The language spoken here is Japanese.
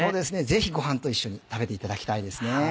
ぜひご飯と一緒に食べていただきたいですね。